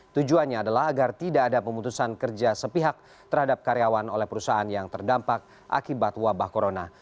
tujuannya adalah agar tidak ada pemutusan kerja sepihak terhadap karyawan oleh perusahaan yang terdampak akibat wabah corona